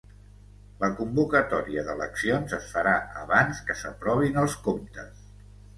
La convocatòria d'eleccions es farà abans que s'aprovin els comptes